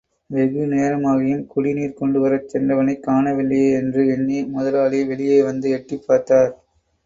வெகுநேரமாகியும் குடிநீர் கொண்டுவரச் சென்றவனைக் காணவில்லையே என்று எண்ணி, முதலாளி, வெளியே வந்து எட்டிப் பார்த்தார்.